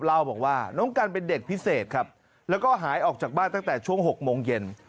เล่าบอกว่าน้องกันเป็นเด็กพิเศษครับแล้วก็หายออกจากบ้านตั้งแต่ช่วง๖โมงเย็น